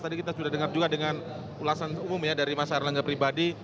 tadi kita sudah dengar juga dengan ulasan umum ya dari mas erlangga pribadi